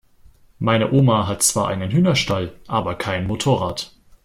Meine Oma hat zwar einen Hühnerstall, aber kein Motorrad.